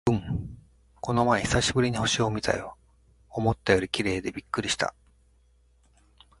うん、この前久しぶりに星を見たよ。思ったより綺麗でびっくりした！